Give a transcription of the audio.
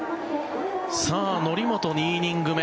さあ、則本、２イニング目。